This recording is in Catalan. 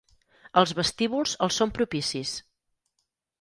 Els vestíbuls els són propicis.